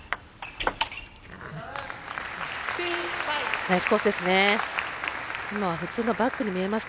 ナイスコースですね。